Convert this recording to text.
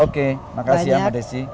oke makasih ya mbak desi